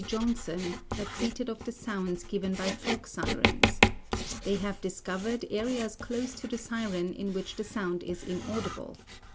Johnson t have treated of the sounds given by fog sirens. They have discovered areas close to the siren in which the sound is inaudible.